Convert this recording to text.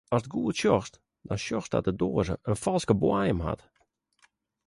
Ast goed sjochst, dan sjochst dat de doaze in falske boaiem hat.